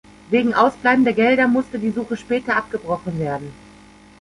Wegen ausbleibender Gelder musste die Suche später abgebrochen werden.